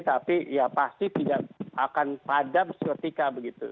tapi pasti tidak akan padam seketika